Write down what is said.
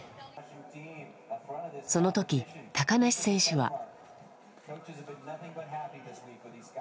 そのとき、高梨選手は。